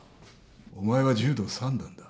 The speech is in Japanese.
お前は柔道三段だ。